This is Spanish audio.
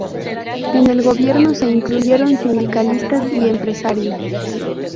En el gobierno se incluyeron sindicalistas y empresarios.